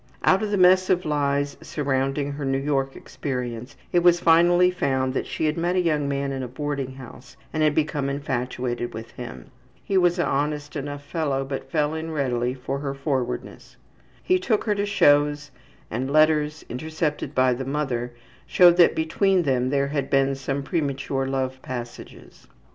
Out of the mess of lies surrounding her New York experience, it was finally found that she had met a young man in a boarding house and had become infatuated with him. He was an honest enough fellow, but fell in readily with her forwardness. He took her to shows, and letters, intercepted by the mother, showed that between them there had been some premature love passages.